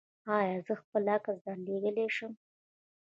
ایا زه خپل عکس درلیږلی شم؟